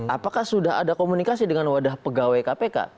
apakah sudah ada komunikasi dengan wadah pegawai kpk